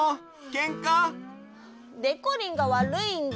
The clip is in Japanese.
けんか？でこりんがわるいんだ。